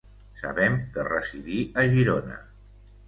Sabem que residí a Girona.